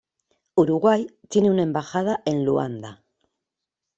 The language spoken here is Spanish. Uruguay tiene una embajada en Luanda.